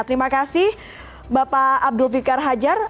terima kasih bapak abdul fikar hajar